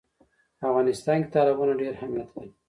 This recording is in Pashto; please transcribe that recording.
په افغانستان کې تالابونه ډېر اهمیت لري.